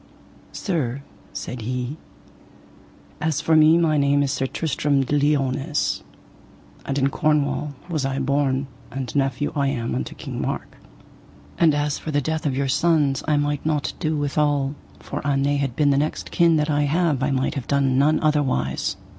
Sir, said he, as for me my name is Sir Tristram de Liones, and in Cornwall was I born, and nephew I am unto King Mark. And as for the death of your sons I might not do withal, for an they had been the next kin that I have I might have done none otherwise.